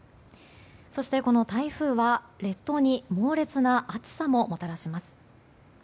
そしてこの台風は、列島に猛烈な暑さももたらします。